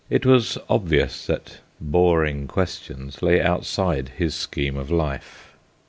It was obvious that boring questions lay outside his scheme of life.